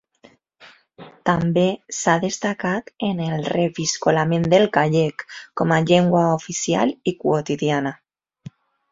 També s'ha destacat en el reviscolament del gallec com a llengua oficial i quotidiana.